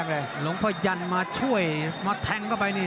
ทางมาช่วยมาแทงเข้าไปนี่